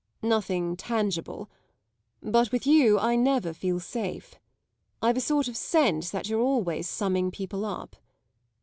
"Nothing tangible. But with you I never feel safe. I've a sort of sense that you're always summing people up."